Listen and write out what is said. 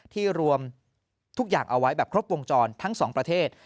รวมทุกอย่างเอาไว้แบบครบวงจรทั้งสองประเทศ